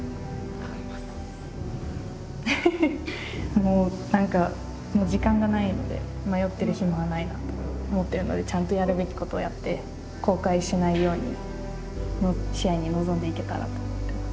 もう何か時間がないので迷ってる暇はないなと思ってるのでちゃんとやるべきことをやって後悔しないように試合に臨んでいけたらと思ってます。